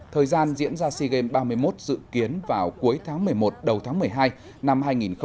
thời gian diễn ra sea games ba mươi một dự kiến vào cuối tháng một mươi một đầu tháng một mươi hai năm hai nghìn hai mươi